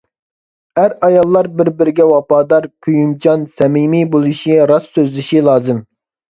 ئەر-ئاياللار بىر-بىرىگە ۋاپادار، كۆيۈمچان، سەمىمىي بولۇشى، راست سۆزلىشى لازىم.